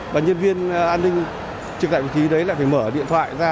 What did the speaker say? và nhân viên an ninh trực tại vị trí đấy là phải mở điện thoại ra